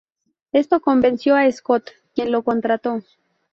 Esto convenció a Scott, quien lo contrató.